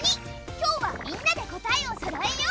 今日はみんなで答えをそろえよう！